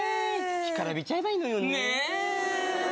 干からびちゃえばいいのよねねえ